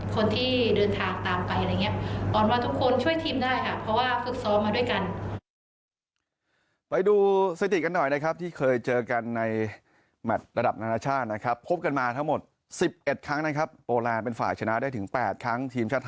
คนที่เดินทางตามไปอะไรอย่างนี้